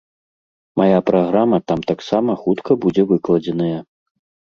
Мая праграма там таксама хутка будзе выкладзеная.